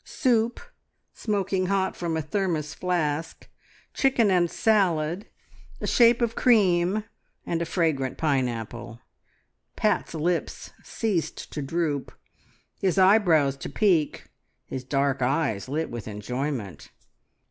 Soup, smoking hot from a thermos flask, chicken and salad, a shape of cream, and a fragrant pineapple. Pat's lips ceased to droop, his eyebrows to peak: his dark eyes lit with enjoyment.